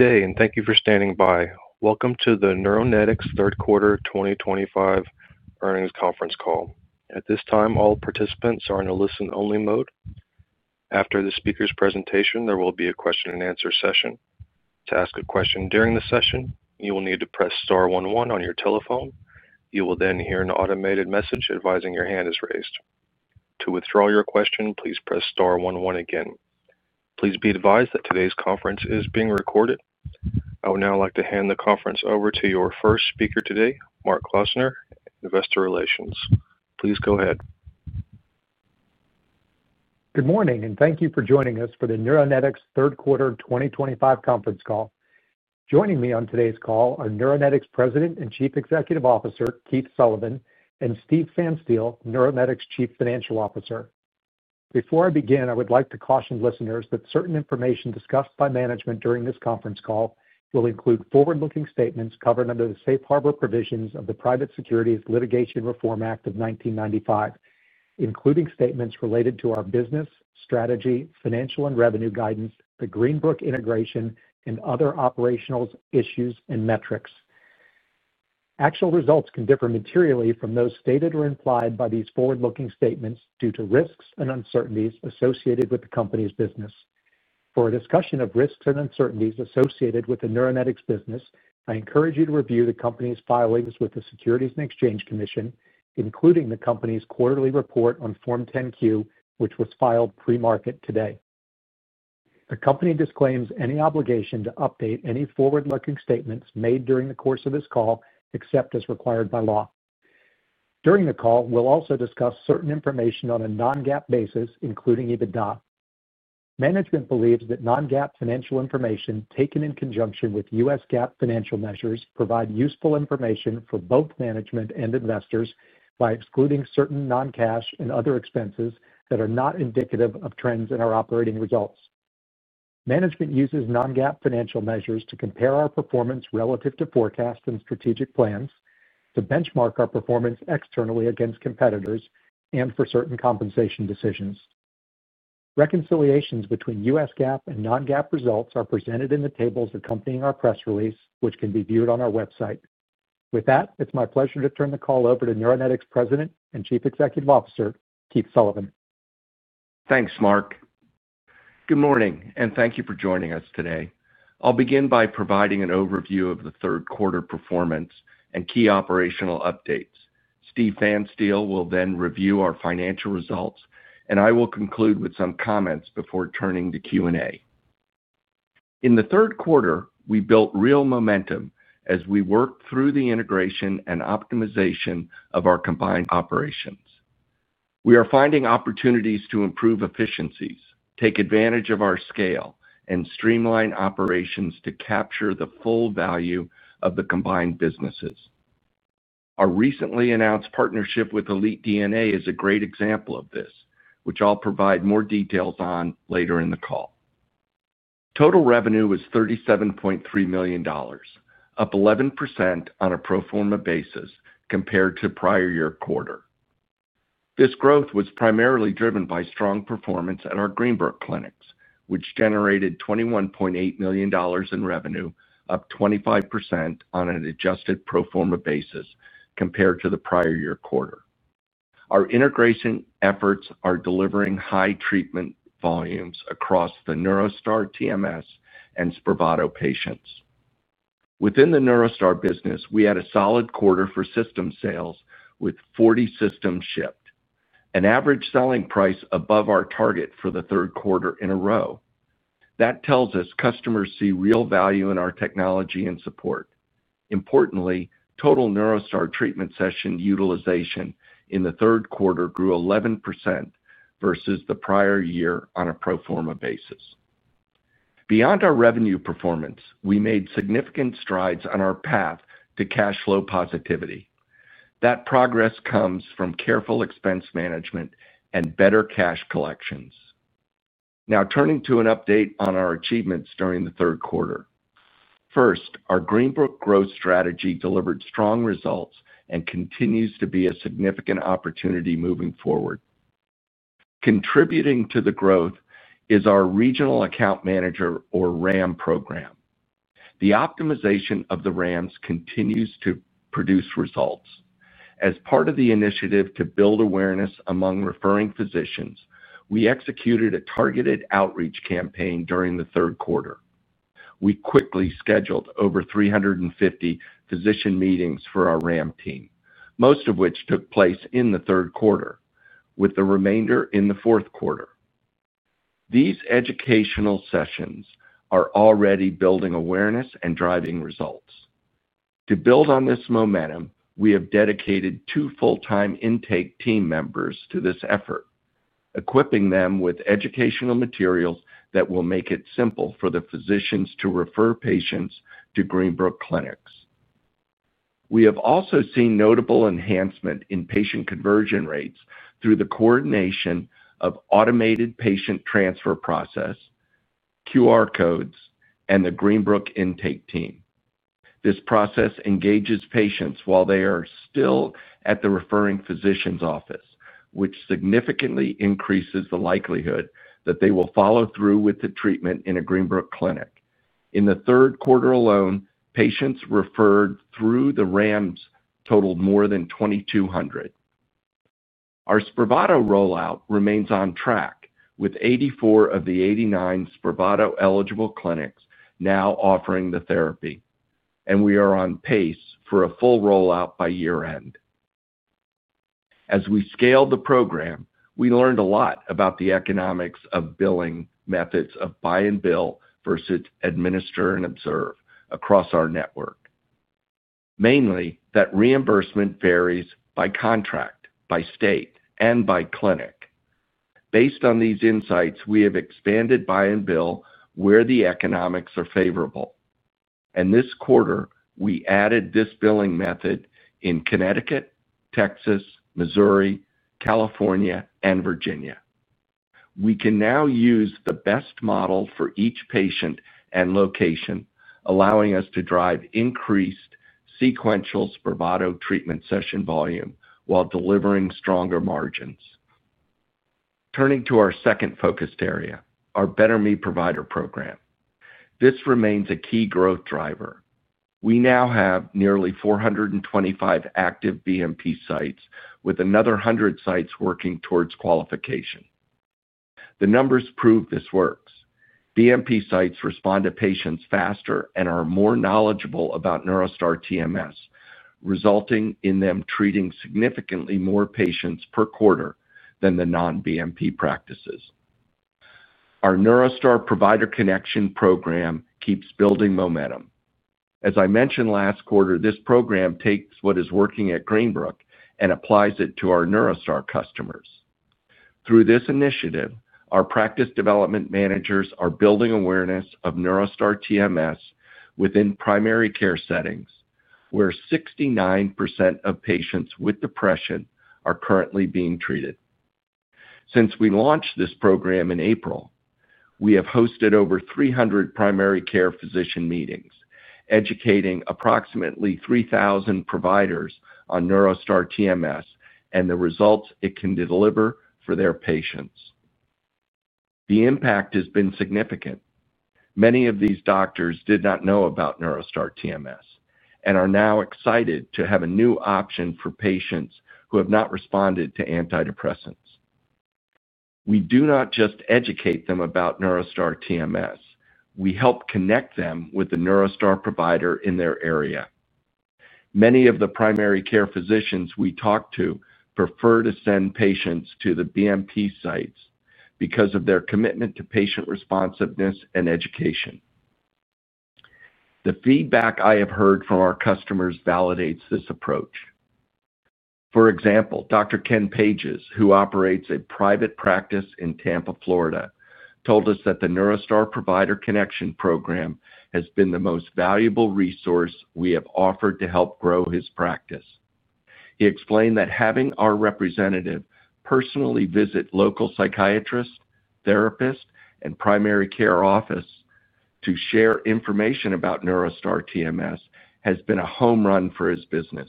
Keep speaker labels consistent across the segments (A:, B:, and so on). A: Good day, and thank you for standing by. Welcome to the Neuronetics third quarter 2025 earnings conference call. At this time, all participants are in a listen-only mode. After the speaker's presentation, there will be a question-and-answer session. To ask a question during the session, you will need to press star one one on your telephone. You will then hear an automated message advising your hand is raised. To withdraw your question, please press star one one again. Please be advised that today's conference is being recorded. I would now like to hand the conference over to your first speaker today, Mark Klausner, Investor Relations. Please go ahead.
B: Good morning, and thank you for joining us for the Neuronetics third quarter 2025 conference call. Joining me on today's call are Neuronetics President and Chief Executive Officer Keith Sullivan and Steve Pfanstiel, Neuronetics Chief Financial Officer. Before I begin, I would like to caution listeners that certain information discussed by management during this conference call will include forward-looking statements covered under the safe harbor provisions of the Private Securities Litigation Reform Act of 1995, including statements related to our business, strategy, financial, and revenue guidance, the Greenbrook integration, and other operational issues and metrics. Actual results can differ materially from those stated or implied by these forward-looking statements due to risks and uncertainties associated with the company's business. For a discussion of risks and uncertainties associated with the Neuronetics business, I encourage you to review the company's filings with the Securities and Exchange Commission, including the company's quarterly report on Form 10-Q, which was filed pre-market today. The company disclaims any obligation to update any forward-looking statements made during the course of this call, except as required by law. During the call, we'll also discuss certain information on a non-GAAP basis, including EBITDA. Management believes that non-GAAP financial information taken in conjunction with U.S. GAAP financial measures provides useful information for both management and investors by excluding certain non-cash and other expenses that are not indicative of trends in our operating results. Management uses non-GAAP financial measures to compare our performance relative to forecasts and strategic plans, to benchmark our performance externally against competitors, and for certain compensation decisions. Reconciliations between U.S. GAAP and non-GAAP results are presented in the tables accompanying our press release, which can be viewed on our website. With that, it's my pleasure to turn the call over to Neuronetics President and Chief Executive Officer Keith Sullivan.
C: Thanks, Mark. Good morning, and thank you for joining us today. I'll begin by providing an overview of the third quarter performance and key operational updates. Steve Pfanstiel will then review our financial results, and I will conclude with some comments before turning to Q&A. In the third quarter, we built real momentum as we worked through the integration and optimization of our combined operations. We are finding opportunities to improve efficiencies, take advantage of our scale, and streamline operations to capture the full value of the combined businesses. Our recently announced partnership with Elite DNA is a great example of this, which I'll provide more details on later in the call. Total revenue was $37.3 million, up 11% on a pro forma basis compared to the prior year quarter. This growth was primarily driven by strong performance at our Greenbrook clinics, which generated $21.8 million in revenue, up 25% on an adjusted pro forma basis compared to the prior year quarter. Our integration efforts are delivering high treatment volumes across the NeuroStar TMS and SPRAVATO patients. Within the NeuroStar business, we had a solid quarter for system sales, with 40 systems shipped, an average selling price above our target for the third quarter in a row. That tells us customers see real value in our technology and support. Importantly, total NeuroStar treatment session utilization in the third quarter grew 11% versus the prior year on a pro forma basis. Beyond our revenue performance, we made significant strides on our path to cash flow positivity. That progress comes from careful expense management and better cash collections. Now, turning to an update on our achievements during the third quarter. First, our Greenbrook growth strategy delivered strong results and continues to be a significant opportunity moving forward. Contributing to the growth is our Regional Account Manager, or RAM, program. The optimization of the RAMs continues to produce results. As part of the initiative to build awareness among referring physicians, we executed a targeted outreach campaign during the third quarter. We quickly scheduled over 350 physician meetings for our RAM team, most of which took place in the third quarter, with the remainder in the fourth quarter. These educational sessions are already building awareness and driving results. To build on this momentum, we have dedicated two full-time intake team members to this effort. Equipping them with educational materials that will make it simple for the physicians to refer patients to Greenbrook clinics. We have also seen notable enhancement in patient conversion rates through the coordination of automated patient transfer process, QR codes, and the Greenbrook intake team. This process engages patients while they are still at the referring physician's office, which significantly increases the likelihood that they will follow through with the treatment in a Greenbrook clinic. In the third quarter alone, patients referred through the RAMs totaled more than 2,200. Our SPRAVATO rollout remains on track, with 84 of the 89 SPRAVATO-eligible clinics now offering the therapy, and we are on pace for a full rollout by year-end. As we scale the program, we learned a lot about the economics of billing methods of buy-and-bill versus administer-and-observe across our network. Mainly, that reimbursement varies by contract, by state, and by clinic. Based on these insights, we have expanded buy-and-bill where the economics are favorable. This quarter, we added this billing method in Connecticut, Texas, Missouri, California, and Virginia. We can now use the best model for each patient and location, allowing us to drive increased sequential SPRAVATO treatment session volume while delivering stronger margins. Turning to our second focused area, our Better Me Provider Program. This remains a key growth driver. We now have nearly 425 active BMP sites, with another 100 sites working towards qualification. The numbers prove this works. BMP sites respond to patients faster and are more knowledgeable about NeuroStar TMS, resulting in them treating significantly more patients per quarter than the non-BMP practices. Our NeuroStar Provider Connection program keeps building momentum. As I mentioned last quarter, this program takes what is working at Greenbrook and applies it to our NeuroStar customers. Through this initiative, our practice development managers are building awareness of NeuroStar TMS within primary care settings, where 69% of patients with depression are currently being treated. Since we launched this program in April, we have hosted over 300 primary care physician meetings, educating approximately 3,000 providers on NeuroStar TMS and the results it can deliver for their patients. The impact has been significant. Many of these doctors did not know about NeuroStar TMS and are now excited to have a new option for patients who have not responded to antidepressants. We do not just educate them about NeuroStar TMS; we help connect them with the NeuroStar provider in their area. Many of the primary care physicians we talk to prefer to send patients to the BMP sites because of their commitment to patient responsiveness and education. The feedback I have heard from our customers validates this approach. For example, Dr. Ken Pages, who operates a private practice in Tampa, Florida, told us that the NeuroStar Provider Connection program has been the most valuable resource we have offered to help grow his practice. He explained that having our representative personally visit local psychiatrists, therapists, and primary care offices to share information about NeuroStar TMS has been a home run for his business.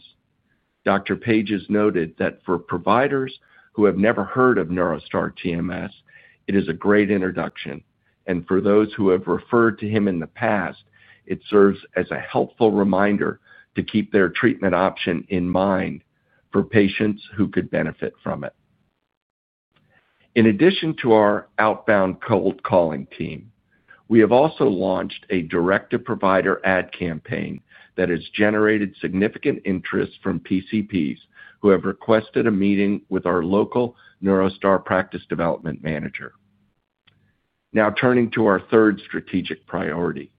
C: Dr. Pages noted that for providers who have never heard of NeuroStar TMS, it is a great introduction, and for those who have referred to him in the past, it serves as a helpful reminder to keep their treatment option in mind for patients who could benefit from it. In addition to our outbound cold calling team, we have also launched a direct-to-provider ad campaign that has generated significant interest from PCPs who have requested a meeting with our local NeuroStar practice development manager. Now, turning to our third strategic priority: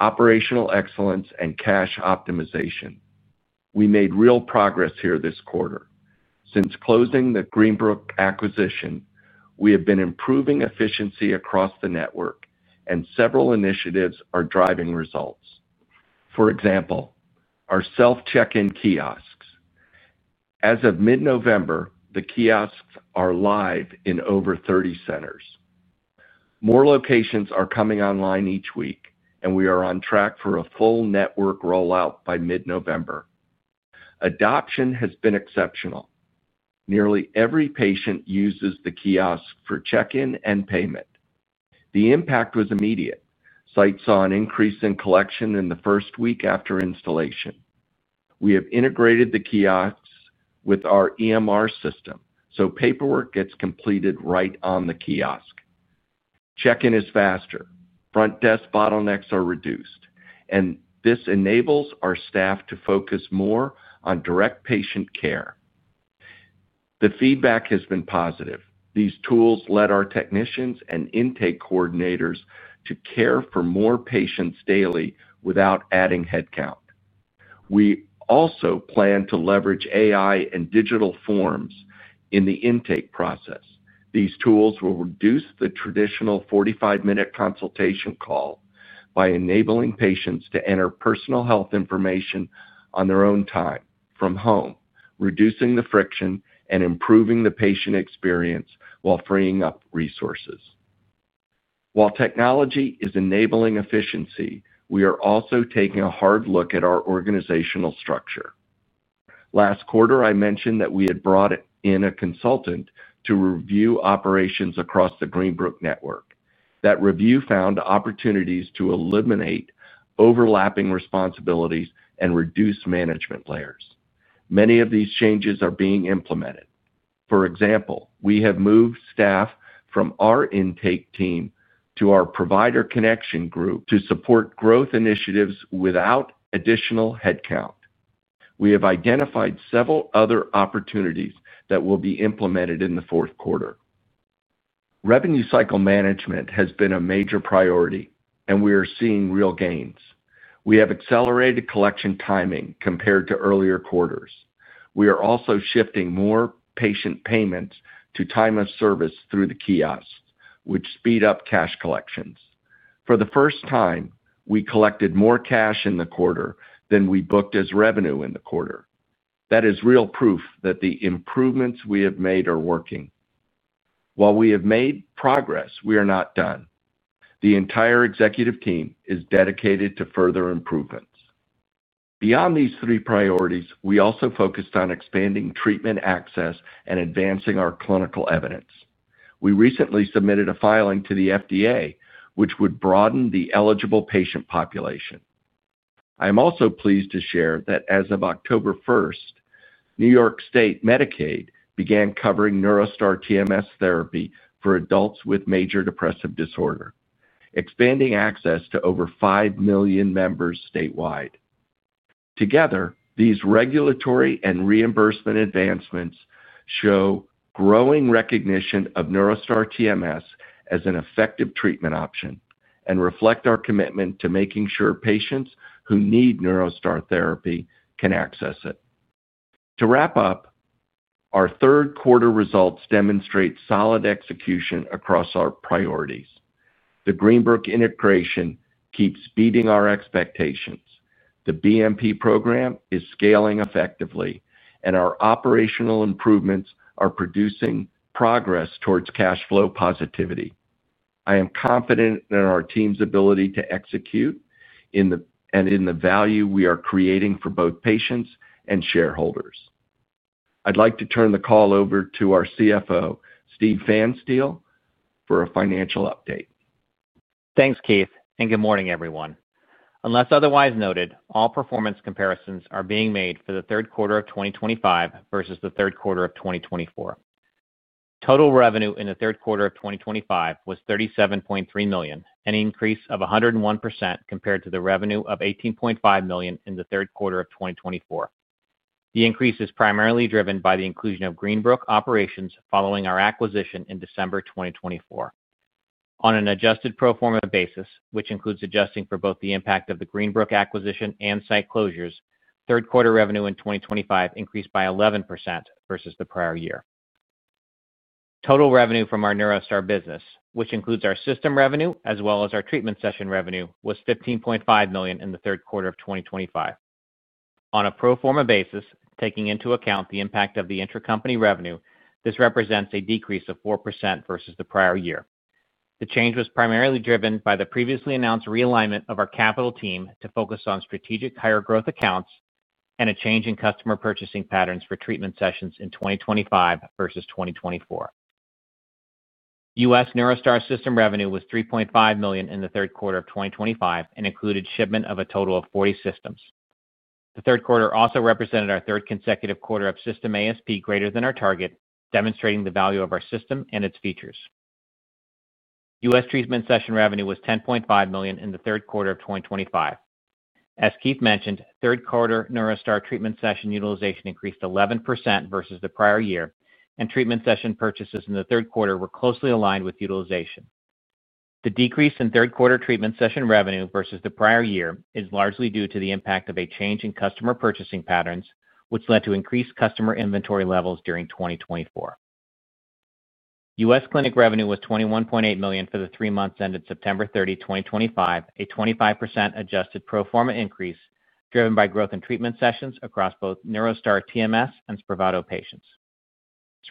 C: operational excellence and cash optimization. We made real progress here this quarter. Since closing the Greenbrook acquisition, we have been improving efficiency across the network, and several initiatives are driving results. For example, our self-check-in kiosks. As of mid-November, the kiosks are live in over 30 centers. More locations are coming online each week, and we are on track for a full network rollout by mid-November. Adoption has been exceptional. Nearly every patient uses the kiosk for check-in and payment. The impact was immediate. Sites saw an increase in collection in the first week after installation. We have integrated the kiosks with our EMR system, so paperwork gets completed right on the kiosk. Check-in is faster. Front desk bottlenecks are reduced, and this enables our staff to focus more on direct patient care. The feedback has been positive. These tools led our technicians and intake coordinators to care for more patients daily without adding headcount. We also plan to leverage AI and digital forms in the intake process. These tools will reduce the traditional 45-minute consultation call by enabling patients to enter personal health information on their own time from home, reducing the friction and improving the patient experience while freeing up resources. While technology is enabling efficiency, we are also taking a hard look at our organizational structure. Last quarter, I mentioned that we had brought in a consultant to review operations across the Greenbrook network. That review found opportunities to eliminate overlapping responsibilities and reduce management layers. Many of these changes are being implemented. For example, we have moved staff from our intake team to our provider connection group to support growth initiatives without additional headcount. We have identified several other opportunities that will be implemented in the fourth quarter. Revenue cycle management has been a major priority, and we are seeing real gains. We have accelerated collection timing compared to earlier quarters. We are also shifting more patient payments to time of service through the kiosks, which speed up cash collections. For the first time, we collected more cash in the quarter than we booked as revenue in the quarter. That is real proof that the improvements we have made are working. While we have made progress, we are not done. The entire executive team is dedicated to further improvements. Beyond these three priorities, we also focused on expanding treatment access and advancing our clinical evidence. We recently submitted a filing to the FDA, which would broaden the eligible patient population. I am also pleased to share that as of October 1st, New York State Medicaid began covering NeuroStar TMS therapy for adults with major depressive disorder, expanding access to over 5 million members statewide. Together, these regulatory and reimbursement advancements show growing recognition of NeuroStar TMS as an effective treatment option and reflect our commitment to making sure patients who need NeuroStar therapy can access it. To wrap up. Our third quarter results demonstrate solid execution across our priorities. The Greenbrook integration keeps beating our expectations. The BMP program is scaling effectively, and our operational improvements are producing progress towards cash flow positivity. I am confident in our team's ability to execute and in the value we are creating for both patients and shareholders. I'd like to turn the call over to our CFO, Steve Pfanstiel, for a financial update.
D: Thanks, Keith, and good morning, everyone. Unless otherwise noted, all performance comparisons are being made for the third quarter of 2025 versus the third quarter of 2024. Total revenue in the third quarter of 2025 was $37.3 million, an increase of 101% compared to the revenue of $18.5 million in the third quarter of 2024. The increase is primarily driven by the inclusion of Greenbrook operations following our acquisition in December 2024. On an adjusted pro forma basis, which includes adjusting for both the impact of the Greenbrook acquisition and site closures, third quarter revenue in 2025 increased by 11% versus the prior year. Total revenue from our NeuroStar business, which includes our system revenue as well as our treatment session revenue, was $15.5 million in the third quarter of 2025. On a pro forma basis, taking into account the impact of the intracompany revenue, this represents a decrease of 4% versus the prior year. The change was primarily driven by the previously announced realignment of our capital team to focus on strategic higher growth accounts and a change in customer purchasing patterns for treatment sessions in 2025 versus 2024. U.S. NeuroStar system revenue was $3.5 million in the third quarter of 2025 and included shipment of a total of 40 systems. The third quarter also represented our third consecutive quarter of system ASP greater than our target, demonstrating the value of our system and its features. U.S. treatment session revenue was $10.5 million in the third quarter of 2025. As Keith mentioned, third quarter NeuroStar treatment session utilization increased 11% versus the prior year, and treatment session purchases in the third quarter were closely aligned with utilization. The decrease in third quarter treatment session revenue versus the prior year is largely due to the impact of a change in customer purchasing patterns, which led to increased customer inventory levels during 2024. U.S. clinic revenue was $21.8 million for the three months ended September 30, 2025, a 25% adjusted pro forma increase driven by growth in treatment sessions across both NeuroStar TMS and SPRAVATO patients.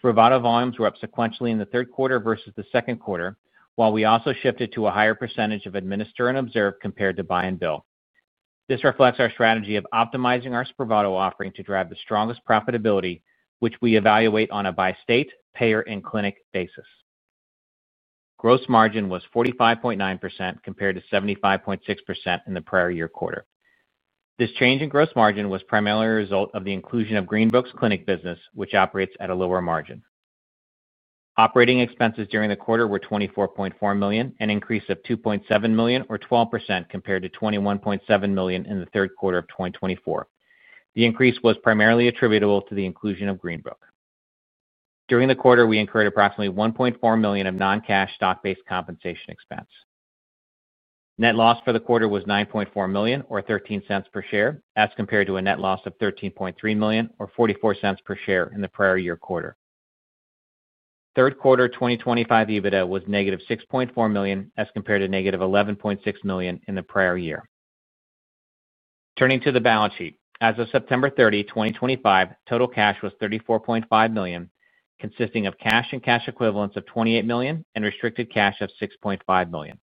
D: SPRAVATO volumes were up sequentially in the third quarter versus the second quarter, while we also shifted to a higher percentage of administer-and-observe compared to buy-and-bill. This reflects our strategy of optimizing our SPRAVATO offering to drive the strongest profitability, which we evaluate on a by-state, payer, and clinic basis. Gross margin was 45.9% compared to 75.6% in the prior year quarter. This change in gross margin was primarily a result of the inclusion of Greenbrook's clinic business, which operates at a lower margin. Operating expenses during the quarter were $24.4 million, an increase of $2.7 million or 12% compared to $21.7 million in the third quarter of 2024. The increase was primarily attributable to the inclusion of Greenbrook. During the quarter, we incurred approximately $1.4 million of non-cash stock-based compensation expense. Net loss for the quarter was $9.4 million or $0.13 per share, as compared to a net loss of $13.3 million or $0.44 per share in the prior year quarter. Third quarter 2025 EBITDA was negative $6.4 million as compared to negative $11.6 million in the prior year. Turning to the balance sheet, as of September 30, 2025, total cash was $34.5 million, consisting of cash and cash equivalents of $28 million and restricted cash of $6.5 million.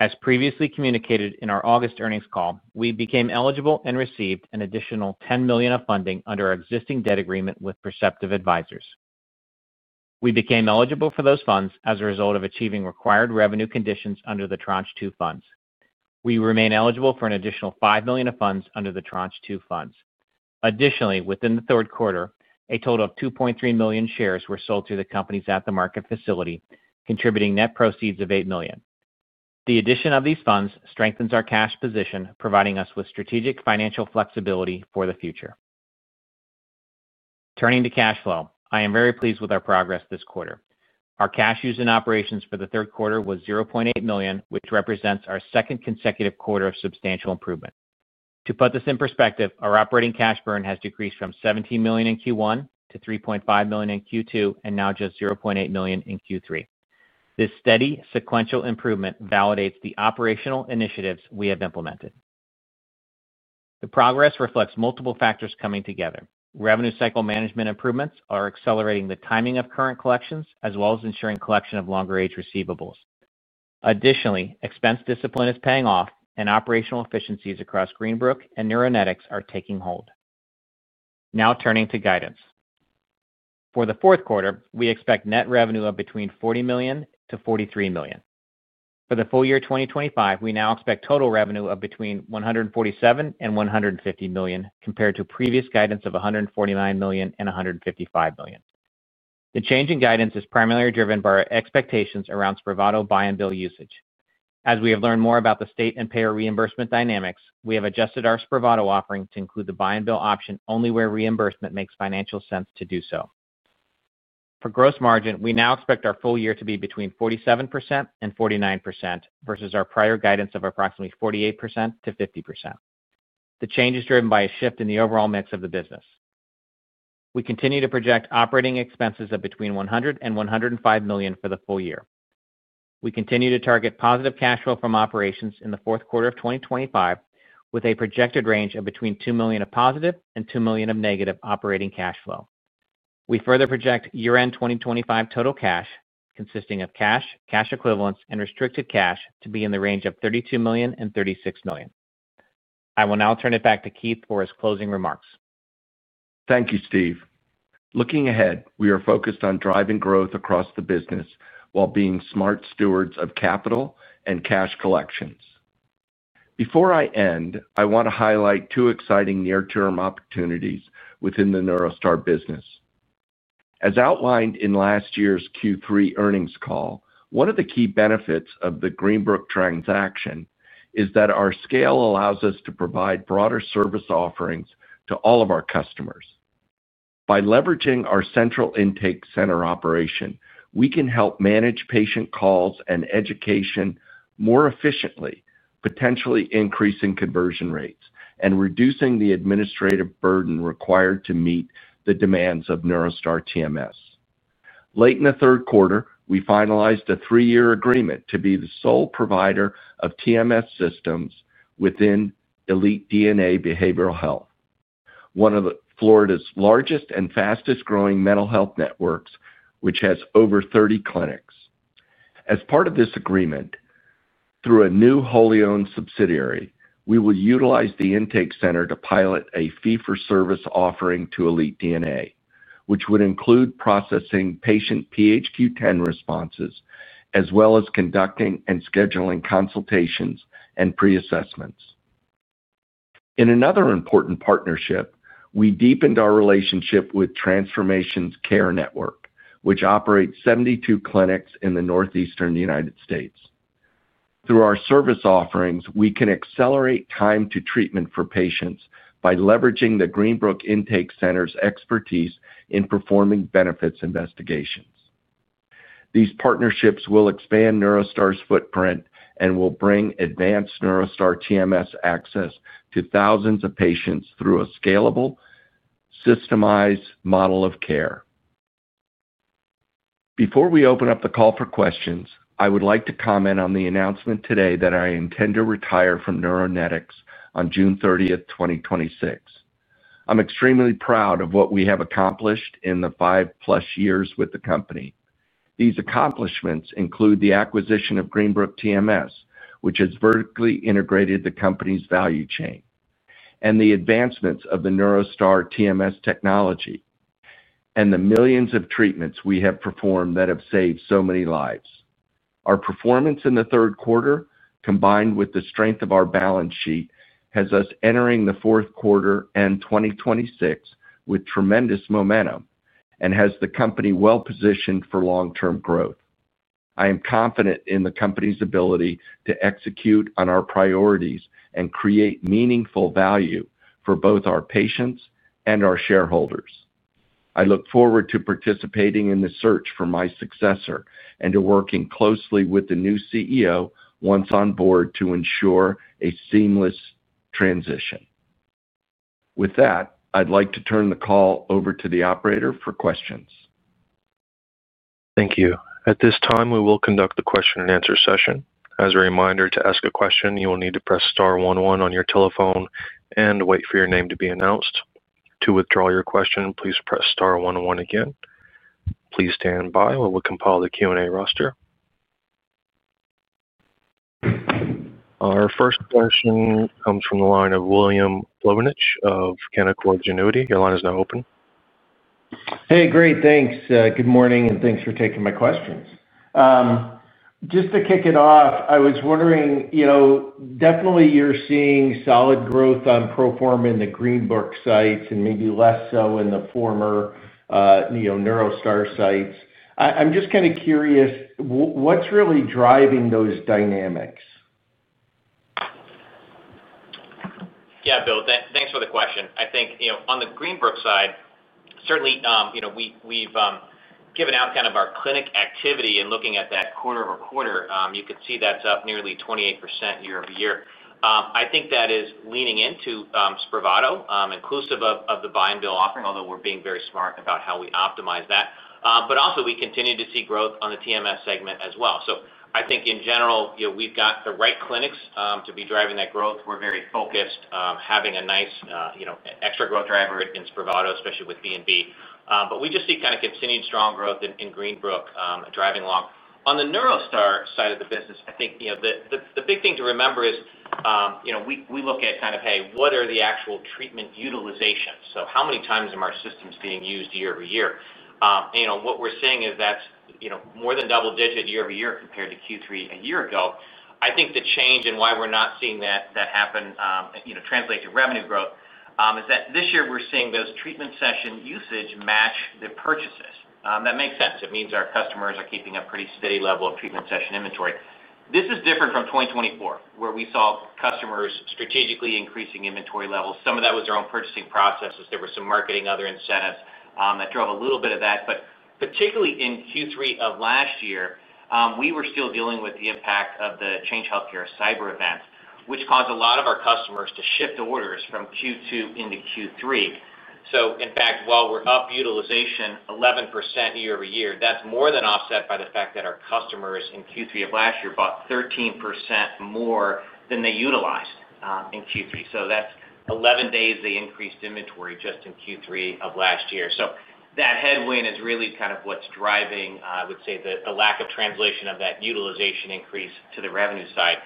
D: As previously communicated in our August earnings call, we became eligible and received an additional $10 million of funding under our existing debt agreement with Perceptive Advisors. We became eligible for those funds as a result of achieving required revenue conditions under the Tranche 2 funds. We remain eligible for an additional $5 million of funds under the Tranche 2 funds. Additionally, within the third quarter, a total of 2.3 million shares were sold to the company's aftermarket facility, contributing net proceeds of $8 million. The addition of these funds strengthens our cash position, providing us with strategic financial flexibility for the future. Turning to cash flow, I am very pleased with our progress this quarter. Our cash use in operations for the third quarter was $0.8 million, which represents our second consecutive quarter of substantial improvement. To put this in perspective, our operating cash burn has decreased from $17 million in Q1 to $3.5 million in Q2 and now just $0.8 million in Q3. This steady sequential improvement validates the operational initiatives we have implemented. The progress reflects multiple factors coming together. Revenue cycle management improvements are accelerating the timing of current collections as well as ensuring collection of longer-age receivables. Additionally, expense discipline is paying off, and operational efficiencies across Greenbrook and Neuronetics are taking hold. Now, turning to guidance. For the fourth quarter, we expect net revenue of between $40 million-$43 million. For the full year 2025, we now expect total revenue of between $147 million-$150 million compared to previous guidance of $149 million-$155 million. The change in guidance is primarily driven by our expectations around SPRAVATO buy-and-bill usage. As we have learned more about the state and payer reimbursement dynamics, we have adjusted our SPRAVATO offering to include the buy-and-bill option only where reimbursement makes financial sense to do so. For gross margin, we now expect our full year to be between 47%-49% versus our prior guidance of approximately 48%-50%. The change is driven by a shift in the overall mix of the business. We continue to project operating expenses of between $100 million-$105 million for the full year. We continue to target positive cash flow from operations in the fourth quarter of 2025, with a projected range of between $2 million of positive and $2 million of negative operating cash flow. We further project year-end 2025 total cash, consisting of cash, cash equivalents, and restricted cash, to be in the range of $32 million-$36 million. I will now turn it back to Keith for his closing remarks.
C: Thank you, Steve. Looking ahead, we are focused on driving growth across the business while being smart stewards of capital and cash collections. Before I end, I want to highlight two exciting near-term opportunities within the NeuroStar business. As outlined in last year's Q3 earnings call, one of the key benefits of the Greenbrook transaction is that our scale allows us to provide broader service offerings to all of our customers. By leveraging our central intake center operation, we can help manage patient calls and education more efficiently, potentially increasing conversion rates and reducing the administrative burden required to meet the demands of NeuroStar TMS. Late in the third quarter, we finalized a three-year agreement to be the sole provider of TMS systems within Elite DNA Behavioral Health, one of Florida's largest and fastest-growing mental health networks, which has over 30 clinics. As part of this agreement, through a new wholly owned subsidiary, we will utilize the intake center to pilot a fee-for-service offering to Elite DNA, which would include processing patient PHQ-10 responses as well as conducting and scheduling consultations and pre-assessments. In another important partnership, we deepened our relationship with Transformations Care Network, which operates 72 clinics in the northeastern United States. Through our service offerings, we can accelerate time to treatment for patients by leveraging the Greenbrook intake center's expertise in performing benefits investigations. These partnerships will expand NeuroStar's footprint and will bring advanced NeuroStar TMS access to thousands of patients through a scalable, systemized model of care. Before we open up the call for questions, I would like to comment on the announcement today that I intend to retire from Neuronetics on June 30th, 2026. I'm extremely proud of what we have accomplished in the five-plus years with the company. These accomplishments include the acquisition of Greenbrook TMS, which has vertically integrated the company's value chain, and the advancements of the NeuroStar TMS technology, and the millions of treatments we have performed that have saved so many lives. Our performance in the third quarter, combined with the strength of our balance sheet, has us entering the fourth quarter in 2026 with tremendous momentum and has the company well-positioned for long-term growth. I am confident in the company's ability to execute on our priorities and create meaningful value for both our patients and our shareholders. I look forward to participating in the search for my successor and to working closely with the new CEO once on board to ensure a seamless transition. With that, I'd like to turn the call over to the operator for questions.
A: Thank you. At this time, we will conduct the question-and-answer session. As a reminder, to ask a question, you will need to press star one one on your telephone and wait for your name to be announced. To withdraw your question, please press star one one again. Please stand by while we compile the Q&A roster. Our first question comes from the line of William Plovanic of Canaccord Genuity. Your line is now open.
E: Hey, great. Thanks. Good morning, and thanks for taking my questions. Just to kick it off, I was wondering, definitely you're seeing solid growth on pro forma in the Greenbrook sites and maybe less so in the former NeuroStar sites. I'm just kind of curious, what's really driving those dynamics?
D: Yeah, Will, thanks for the question. I think on the Greenbrook side, certainly. We've given out kind of our clinic activity and looking at that quarter over quarter, you could see that's up nearly 28% year over year. I think that is leaning into SPRAVATO, inclusive of the buy-and-bill offering, although we're being very smart about how we optimize that. Also, we continue to see growth on the TMS segment as well. I think in general, we've got the right clinics to be driving that growth. We're very focused, having a nice extra growth driver in SPRAVATO, especially with buy-and-bill. We just see kind of continued strong growth in Greenbrook driving along. On the NeuroStar side of the business, I think the big thing to remember is we look at kind of, hey, what are the actual treatment utilizations? How many times are our systems being used year over year? What we're seeing is that's more than double-digit year over year compared to Q3 a year ago. I think the change and why we're not seeing that happen, translate to revenue growth, is that this year we're seeing those treatment session usage match the purchases. That makes sense. It means our customers are keeping a pretty steady level of treatment session inventory. This is different from 2023, where we saw customers strategically increasing inventory levels. Some of that was their own purchasing processes. There were some marketing and other incentives that drove a little bit of that. Particularly in Q3 of last year, we were still dealing with the impact of the Change Healthcare cyber event, which caused a lot of our customers to shift orders from Q2 into Q3. In fact, while we're up utilization 11% year over year, that's more than offset by the fact that our customers in Q3 of last year bought 13% more than they utilized in Q3. That's 11 days they increased inventory just in Q3 of last year. That headwind is really kind of what's driving, I would say, the lack of translation of that utilization increase to the revenue side.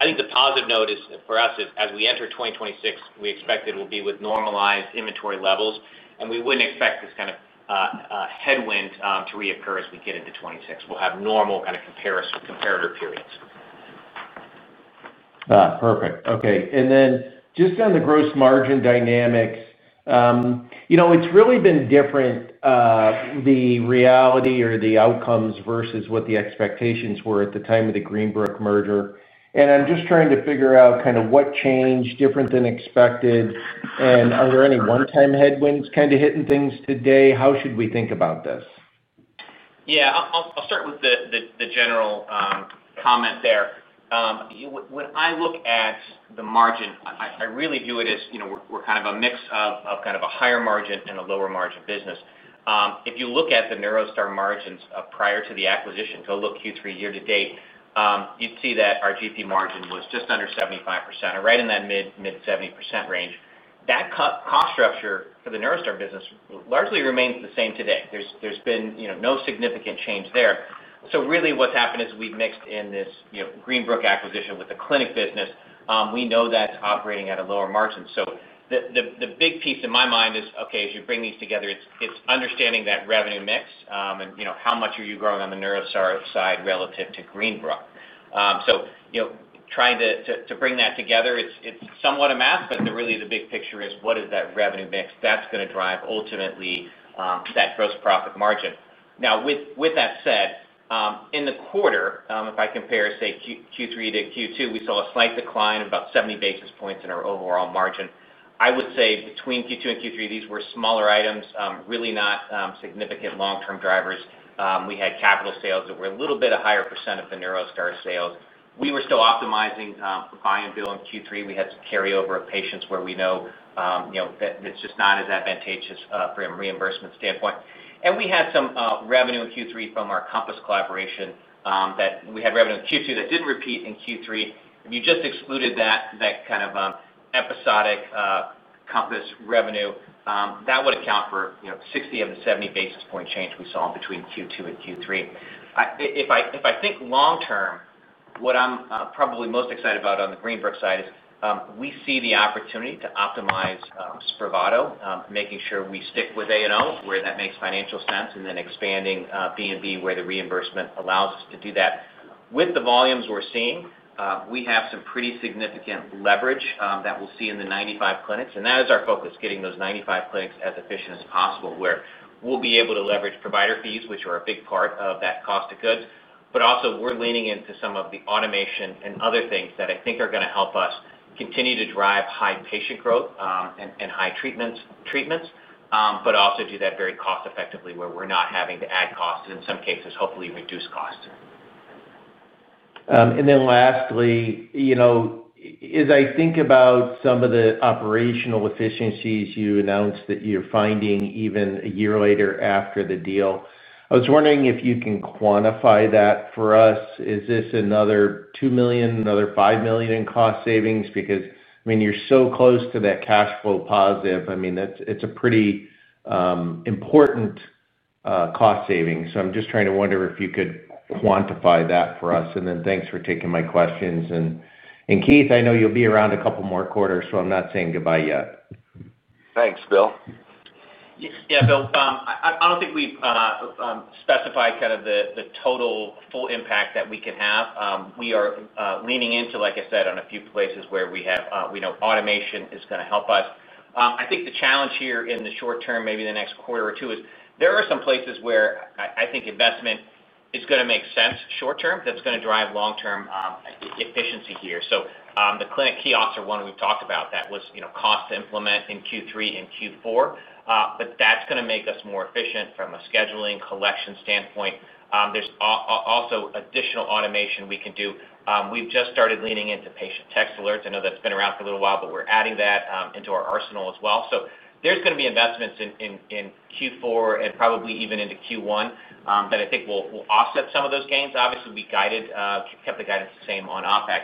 D: I think the positive note for us is as we enter 2024, we expect it will be with normalized inventory levels, and we wouldn't expect this kind of headwind to reoccur as we get into 2024. We'll have normal kind of comparison comparator periods.
E: Perfect. Okay. Just on the gross margin dynamics. It's really been different. The reality or the outcomes versus what the expectations were at the time of the Greenbrook merger. I'm just trying to figure out kind of what changed different than expected. Are there any one-time headwinds kind of hitting things today? How should we think about this?
D: Yeah. I'll start with the general comment there. When I look at the margin, I really view it as we're kind of a mix of kind of a higher margin and a lower margin business. If you look at the NeuroStar margins prior to the acquisition, go look Q3 year to date, you'd see that our GP margin was just under 75% or right in that mid-70% range. That cost structure for the NeuroStar business largely remains the same today. There's been no significant change there. So really what's happened is we've mixed in this Greenbrook acquisition with the clinic business. We know that it's operating at a lower margin. The big piece in my mind is, okay, as you bring these together, it's understanding that revenue mix and how much are you growing on the NeuroStar side relative to Greenbrook. Trying to bring that together, it's somewhat a math, but really the big picture is what is that revenue mix that's going to drive ultimately that gross profit margin. Now, with that said, in the quarter, if I compare, say, Q3 to Q2, we saw a slight decline of about 70 basis points in our overall margin. I would say between Q2 and Q3, these were smaller items, really not significant long-term drivers. We had capital sales that were a little bit a higher percent of the NeuroStar sales. We were still optimizing buy-and-bill in Q3. We had some carryover of patients where we know that's just not as advantageous from a reimbursement standpoint. We had some revenue in Q3 from our Compass collaboration that we had revenue in Q2 that didn't repeat in Q3. If you just excluded that kind of episodic Compass revenue, that would account for 60 of the 70 basis point change we saw between Q2 and Q3. If I think long-term, what I'm probably most excited about on the Greenbrook side is we see the opportunity to optimize SPRAVATO, making sure we stick with A&O where that makes financial sense, and then expanding B&B where the reimbursement allows us to do that. With the volumes we're seeing, we have some pretty significant leverage that we'll see in the 95 clinics. That is our focus, getting those 95 clinics as efficient as possible where we'll be able to leverage provider fees, which are a big part of that cost of goods. Also, we're leaning into some of the automation and other things that I think are going to help us continue to drive high patient growth and high treatments, but also do that very cost-effectively where we're not having to add costs and in some cases, hopefully, reduce costs.
E: Lastly, as I think about some of the operational efficiencies you announced that you're finding even a year later after the deal, I was wondering if you can quantify that for us. Is this another $2 million, another $5 million in cost savings? I mean, you're so close to that cash flow positive. I mean, it's a pretty important cost saving. I'm just trying to wonder if you could quantify that for us. Thanks for taking my questions. Keith, I know you'll be around a couple more quarters, so I'm not saying goodbye yet.
C: Thanks, Will.
D: Yeah, Will. I don't think we've specified kind of the total full impact that we can have. We are leaning into, like I said, on a few places where we know automation is going to help us. I think the challenge here in the short term, maybe the next quarter or two, is there are some places where I think investment is going to make sense short term that's going to drive long-term efficiency here. The clinic kiosk is one we've talked about that was cost to implement in Q3 and Q4. That is going to make us more efficient from a scheduling collection standpoint. There's also additional automation we can do. We've just started leaning into patient text alerts. I know that's been around for a little while, but we're adding that into our arsenal as well. There are going to be investments in Q4 and probably even into Q1 that I think will offset some of those gains. Obviously, we kept the guidance the same on OpEx.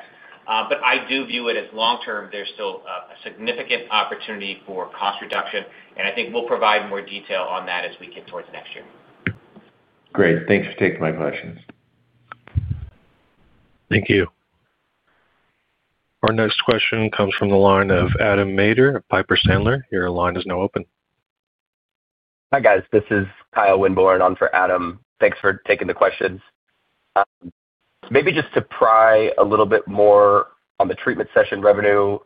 D: I do view it as long-term, there's still a significant opportunity for cost reduction. I think we'll provide more detail on that as we get towards next year.
E: Great. Thanks for taking my questions.
A: Thank you. Our next question comes from the line of Adam Mater at Piper Sandler. Your line is now open.
F: Hi guys. This is Kyle Wynborn on for Adam. Thanks for taking the questions. Maybe just to pry a little bit more on the treatment session revenue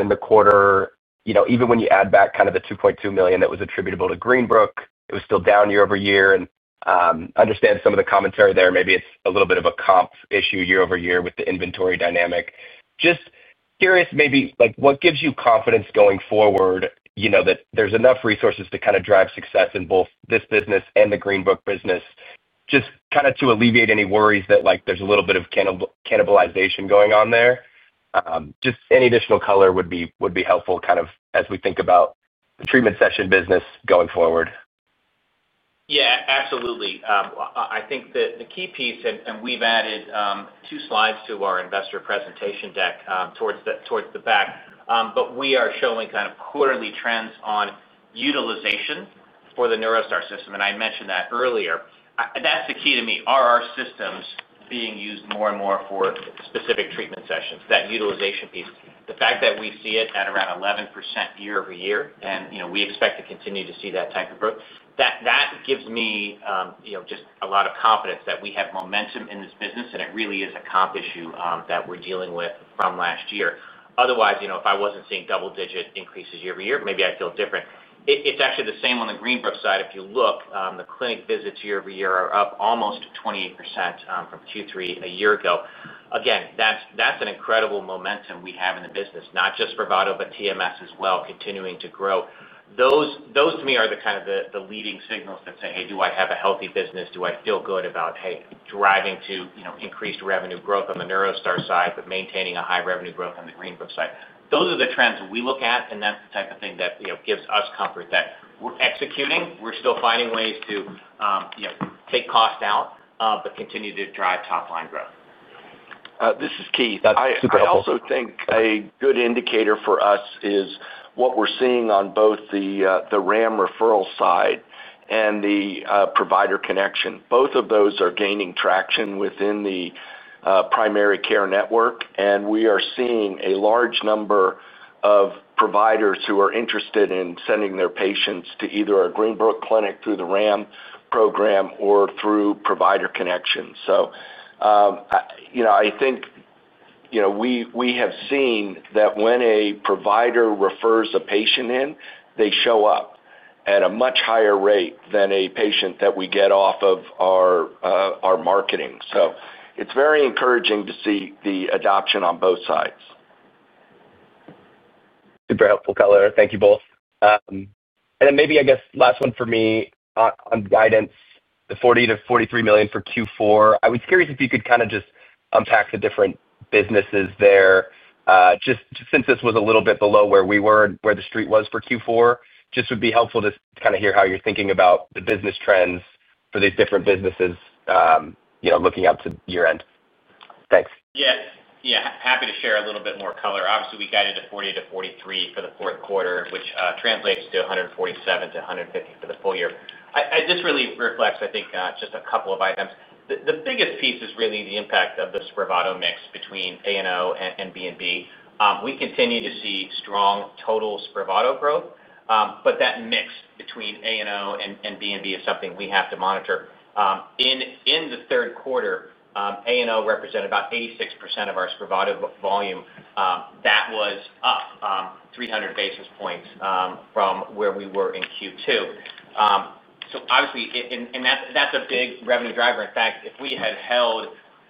F: in the quarter, even when you add back kind of the $2.2 million that was attributable to Greenbrook, it was still down year over year. I understand some of the commentary there. Maybe it's a little bit of a comp issue year over year with the inventory dynamic. Just curious, maybe what gives you confidence going forward that there's enough resources to kind of drive success in both this business and the Greenbrook business, just kind of to alleviate any worries that there's a little bit of cannibalization going on there? Just any additional color would be helpful kind of as we think about the treatment session business going forward.
D: Yeah, absolutely. I think the key piece, and we've added two slides to our investor presentation deck towards the back. We are showing kind of quarterly trends on utilization for the NeuroStar system. I mentioned that earlier. That's the key to me. Are our systems being used more and more for specific treatment sessions, that utilization piece? The fact that we see it at around 11% year over year, and we expect to continue to see that type of growth, that gives me just a lot of confidence that we have momentum in this business, and it really is a comp issue that we're dealing with from last year. Otherwise, if I wasn't seeing double-digit increases year over year, maybe I'd feel different. It's actually the same on the Greenbrook side. If you look, the clinic visits year over year are up almost 28% from Q3 a year ago. Again, that's an incredible momentum we have in the business, not just SPRAVATO, but TMS as well, continuing to grow. Those, to me, are kind of the leading signals that say, "Hey, do I have a healthy business? Do I feel good about, hey, driving to increased revenue growth on the NeuroStar side, but maintaining a high revenue growth on the Greenbrook side?" Those are the trends we look at, and that's the type of thing that gives us comfort that we're executing. We're still finding ways to take cost out, but continue to drive top-line growth.
C: This is Keith. I also think a good indicator for us is what we're seeing on both the RAM referral side and the Provider Connection. Both of those are gaining traction within the primary care network, and we are seeing a large number of providers who are interested in sending their patients to either a Greenbrook clinic through the RAM program or through Provider Connection. I think we have seen that when a provider refers a patient in, they show up at a much higher rate than a patient that we get off of our marketing. It is very encouraging to see the adoption on both sides.
F: Super helpful color. Thank you both. Maybe, I guess, last one for me on guidance, the $40 million-$43 million for Q4. I was curious if you could kind of just unpack the different businesses there. Just since this was a little bit below where we were, where the street was for Q4, it would be helpful to kind of hear how you're thinking about the business trends for these different businesses looking out to year-end. Thanks.
D: Yeah. Yeah. Happy to share a little bit more color. Obviously, we guided a $40-$43 million for the fourth quarter, which translates to $147-$150 million for the full year. This really reflects, I think, just a couple of items. The biggest piece is really the impact of the SPRAVATO mix between A&O and B&B. We continue to see strong total SPRAVATO growth, but that mix between A&O and B&B is something we have to monitor. In the third quarter, A&O represented about 86% of our SPRAVATO volume. That was up 300 basis points from where we were in Q2. Obviously, and that's a big revenue driver. In fact, if we had held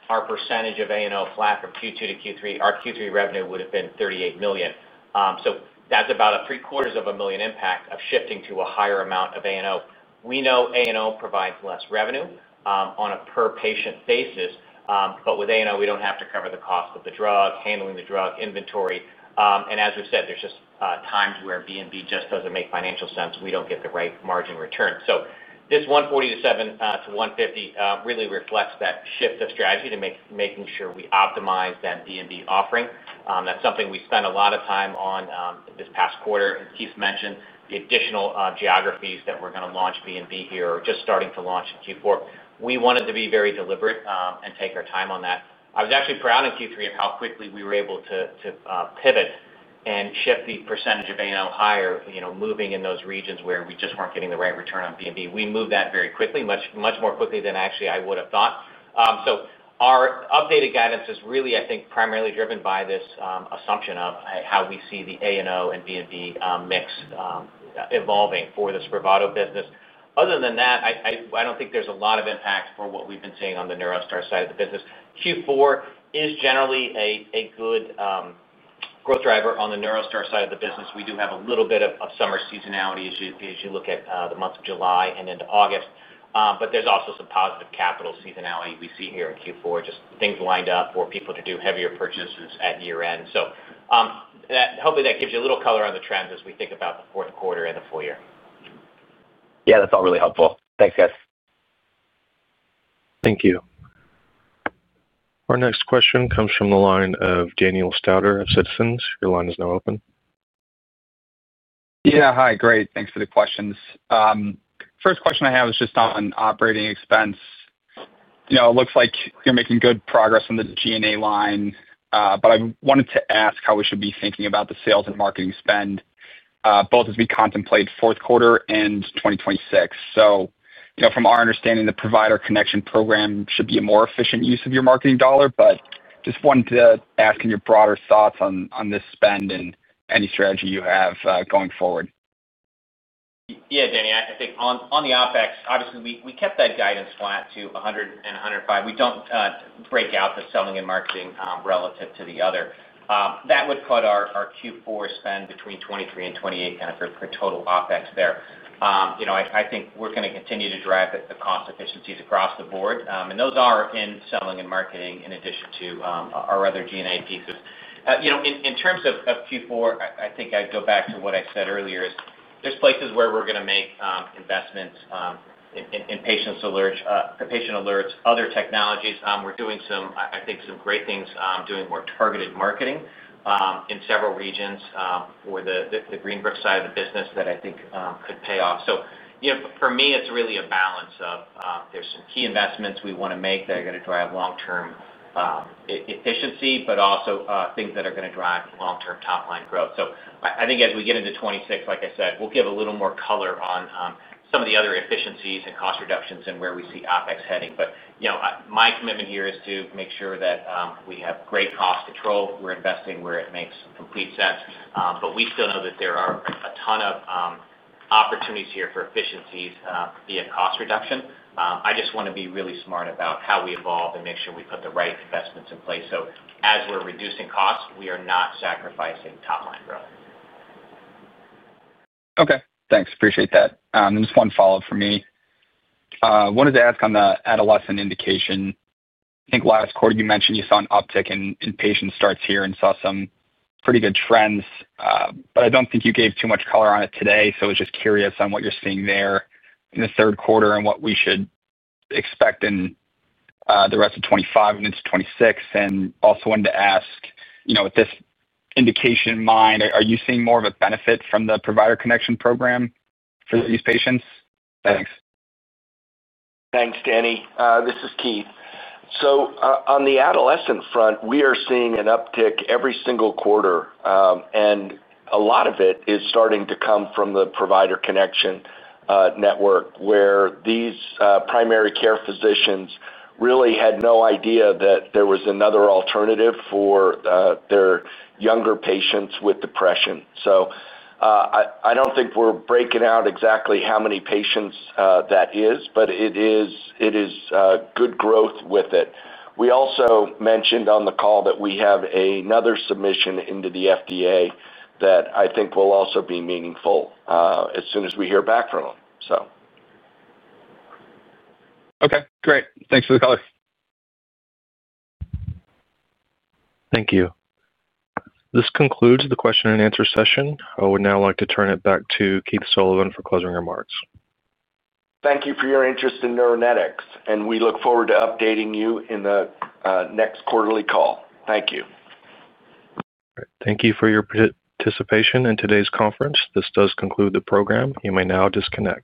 D: our percentage of A&O flat from Q2 to Q3, our Q3 revenue would have been $38 million. That's about a three-quarters of a million impact of shifting to a higher amount of A&O. We know A&O provides less revenue on a per-patient basis, but with A&O, we don't have to cover the cost of the drug, handling the drug, inventory. As we've said, there are just times where B&B just doesn't make financial sense. We don't get the right margin return. This $147-$150 million really reflects that shift of strategy to making sure we optimize that B&B offering. That's something we spent a lot of time on this past quarter. Keith mentioned the additional geographies that we're going to launch B&B here or just starting to launch in Q4. We wanted to be very deliberate and take our time on that. I was actually proud in Q3 of how quickly we were able to pivot and shift the percentage of A&O higher, moving in those regions where we just weren't getting the right return on B&B. We moved that very quickly, much more quickly than actually I would have thought. Our updated guidance is really, I think, primarily driven by this assumption of how we see the A&O and B&B mix evolving for the SPRAVATO business. Other than that, I don't think there's a lot of impact for what we've been seeing on the NeuroStar side of the business. Q4 is generally a good growth driver on the NeuroStar side of the business. We do have a little bit of summer seasonality as you look at the month of July and into August. There's also some positive capital seasonality we see here in Q4, just things lined up for people to do heavier purchases at year-end. Hopefully, that gives you a little color on the trends as we think about the fourth quarter and the full year.
F: Yeah, that's all really helpful. Thanks, guys.
A: Thank you. Our next question comes from the line of Daniel Stauder of Citizens. Your line is now open.
G: Yeah. Hi. Great. Thanks for the questions. First question I have is just on operating expense. It looks like you're making good progress on the G&A line, but I wanted to ask how we should be thinking about the sales and marketing spend. Both as we contemplate fourth quarter and 2026. From our understanding, the provider connection program should be a more efficient use of your marketing dollar, but just wanted to ask you your broader thoughts on this spend and any strategy you have going forward.
D: Yeah, Daniel, I think on the OpEx, obviously, we kept that guidance flat to $100-$105. We do not break out the selling and marketing relative to the other. That would cut our Q4 spend between $23-$28 kind of per total OpEx there. I think we are going to continue to drive the cost efficiencies across the board. And those are in selling and marketing in addition to our other G&A pieces. In terms of Q4, I think I would go back to what I said earlier is there are places where we are going to make investments. In patient alerts, other technologies. We are doing some, I think, some great things doing more targeted marketing in several regions for the Greenbrook side of the business that I think could pay off. For me, it is really a balance of there are some key investments we want to make that are going to drive long-term efficiency, but also things that are going to drive long-term top-line growth. I think as we get into 2026, like I said, we will give a little more color on some of the other efficiencies and cost reductions and where we see OpEx heading. My commitment here is to make sure that we have great cost control. We are investing where it makes complete sense. We still know that there are a ton of opportunities here for efficiencies via cost reduction. I just want to be really smart about how we evolve and make sure we put the right investments in place. As we are reducing costs, we are not sacrificing top-line growth.
G: Okay. Thanks. Appreciate that. Just one follow-up for me. I wanted to ask on the adolescent indication. I think last quarter, you mentioned you saw an uptick in patient starts here and saw some pretty good trends. I do not think you gave too much color on it today. I was just curious on what you are seeing there in the third quarter and what we should expect in the rest of 2025 and into 2026. I also wanted to ask, with this indication in mind, are you seeing more of a benefit from the provider connection program for these patients? Thanks.
C: Thanks, Danny. This is Keith. On the adolescent front, we are seeing an uptick every single quarter. A lot of it is starting to come from the provider connection network where these primary care physicians really had no idea that there was another alternative for their younger patients with depression. I do not think we are breaking out exactly how many patients that is, but it is good growth with it. We also mentioned on the call that we have another submission into the FDA that I think will also be meaningful. As soon as we hear back from them.
G: Okay. Great. Thanks for the call.
A: Thank you. This concludes the question and answer session. I would now like to turn it back to Keith Sullivan for closing remarks.
C: Thank you for your interest in Neuronetics, and we look forward to updating you in the next quarterly call. Thank you.
A: Thank you for your participation in today's conference. This does conclude the program. You may now disconnect.